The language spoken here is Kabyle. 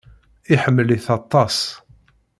Iḥemmel-it aṭas.